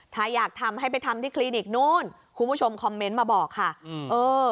ถ้าอยากทำให้ไปทำที่ครีนิกนู่นครูผู้ชมมาบอกค่ะเออ